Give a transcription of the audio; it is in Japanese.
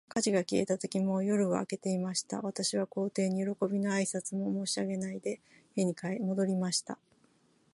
火事が消えたとき、もう夜は明けていました。私は皇帝に、よろこびの挨拶も申し上げないで、家に戻りました。